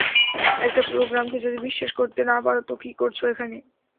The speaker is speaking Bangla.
একটা প্রোগ্রামকে যদি বিশ্বাসই করতে না পারো তো কী করছ এখানে?